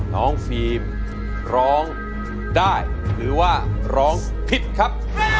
ฟิล์มร้องได้หรือว่าร้องผิดครับ